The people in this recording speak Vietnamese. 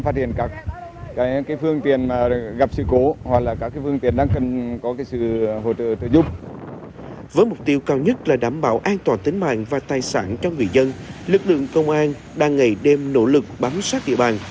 tài sản cho người dân lực lượng công an đang ngày đêm nỗ lực bám sát địa bàn